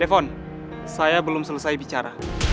telepon saya belum selesai bicara